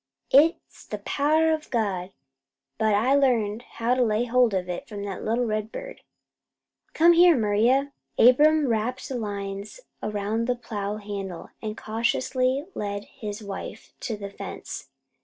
It's the power o' God, but I learned how to lay hold of it from that little red bird. Come here, Maria!" Abram wrapped the lines around the plow handle, and cautiously led his wife to the fence.